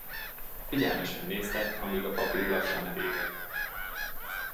Figyelmesen nézte, amíg a papír lassan elégett.